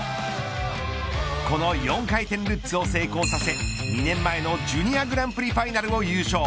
この４回転ルッツを成功させ２年前のジュニアグランプリファイナルを優勝。